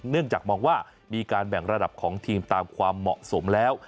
เนื่องจากมองว่ามีการแบ่งระดับของทีมตามความเหมาะสมแล้ว